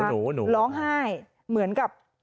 หนูร้องไห้เหมือนกับ